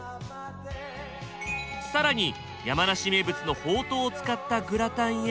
更に山梨名物のほうとうを使ったグラタンや。